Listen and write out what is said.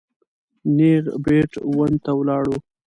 نېغ بېټ ون ته ولاړو.